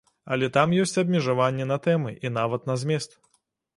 Але там ёсць абмежаванні на тэмы і нават на змест.